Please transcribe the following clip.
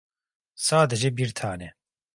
Sadece bir tane.